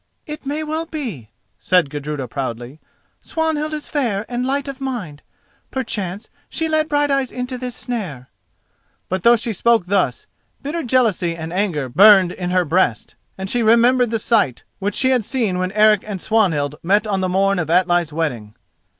"It may well be," said Gudruda, proudly; "Swanhild is fair and light of mind. Perchance she led Brighteyes into this snare." But, though she spoke thus, bitter jealousy and anger burned in her breast and she remembered the sight which she had seen when Eric and Swanhild met on the morn of Atli's wedding.